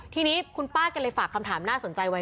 ทีนี้คุณป้าแกเลยฝากคำถามน่าสนใจไว้